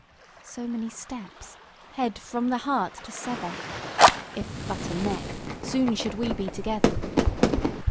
So many steps, head from the heart to sever, If but a neck, soon should we be together.